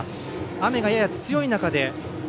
雨が、やや強い中。